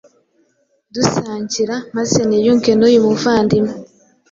dusangira maze niyunge n’uyu muvandiwe